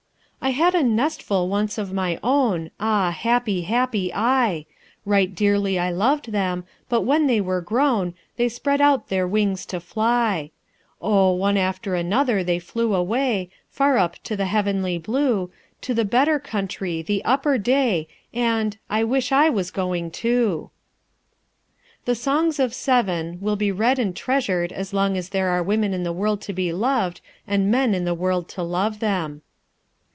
"I had a nestful once of my own, Ah, happy, happy I! Right dearly I loved them, but when they were grown They spread out their wings to fly. O, one after another they flew away, Far up to the heavenly blue, To the better country, the upper day, And I wish I was going too." The Songs of Seven will be read and treasured as long as there are women in the world to be loved, and men in the world to love them.